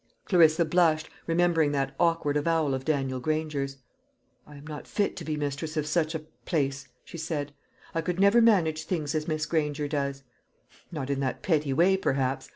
Clarissa blushed, remembering that awkward avowal of Daniel Granger's. "I am not fit to be mistress of such, a place," she said. "I could never manage things as Miss Granger does." "Not in that petty way, perhaps.